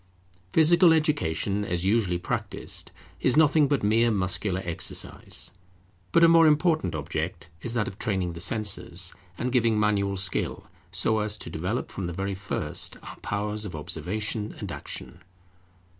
Physical education, as usually practised, is nothing but mere muscular exercise; but a more important object is that of training the senses, and giving manual skill, so as to develop from the very first our powers of observation and action.